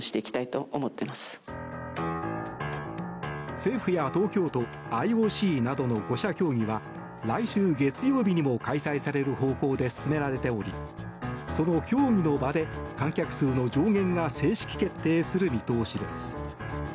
政府や東京都、ＩＯＣなどの５者協議は来週月曜日にも開催される方向で進められておりその協議の場で観客数の上限が正式決定する見通しです。